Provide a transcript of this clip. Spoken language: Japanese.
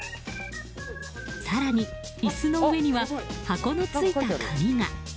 更に、椅子の上には箱のついた鍵が。